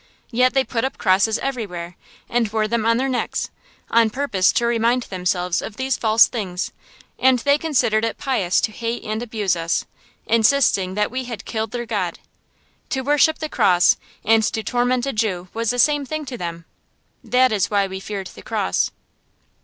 Yet they put up crosses everywhere, and wore them on their necks, on purpose to remind themselves of these false things; and they considered it pious to hate and abuse us, insisting that we had killed their God. To worship the cross and to torment a Jew was the same thing to them. That is why we feared the cross.